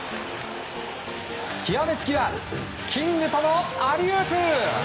極め付きはキングとのアリウープ！